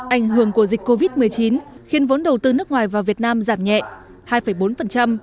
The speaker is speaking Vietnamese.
ảnh hưởng của dịch covid một mươi chín khiến vốn đầu tư nước ngoài vào việt nam giảm nhẹ hai bốn